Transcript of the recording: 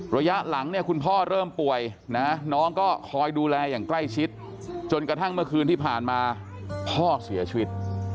ระยะหลังเนี่ยคุณพ่อเริ่มป่วยนะน้องก็คอยดูแลอย่างใกล้ชิดจนกระทั่งเมื่อคืนที่ผ่านมาพ่อเสียชีวิต